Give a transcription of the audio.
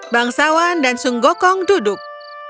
bangsawan dan sung gokong duduk